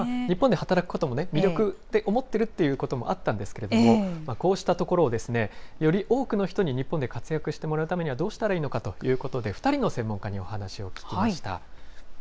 日本で働くことも魅力って思ってるってこともあったんですけれども、こうしたところを、より多くの人に日本で活躍してもらうためにはどうしたらいいのかということで、２人の専門家にお話を聞きました。